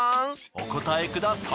お答えください！